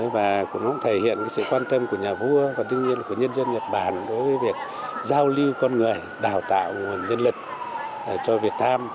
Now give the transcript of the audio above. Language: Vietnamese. và cũng thể hiện sự quan tâm của nhà vua và đương nhiên là của nhân dân nhật bản đối với việc giao lưu con người đào tạo nguồn nhân lực cho việt nam